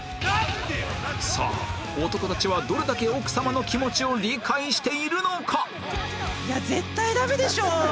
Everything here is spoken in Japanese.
さあ男たちはどれだけ奥さまの気持ちを理解しているのか？